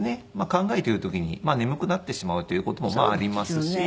考えている時に眠くなってしまうという事もありますし。